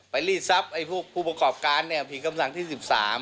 ไปรีดทรัพย์ผู้ประกอบการผิดคำสั่งที่๑๓